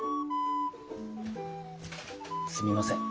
すみません。